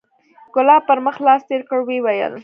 ګلاب پر مخ لاس تېر کړ ويې ويل.